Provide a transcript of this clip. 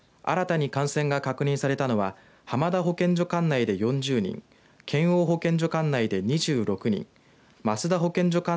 新たに感染が確認されたのは浜田保健所管内で４０人県央保健所管内で２６人益田保健所